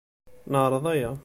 Neɛreḍ aya.